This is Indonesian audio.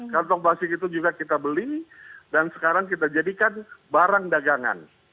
kantong plastik itu juga kita beli dan sekarang kita jadikan barang dagangan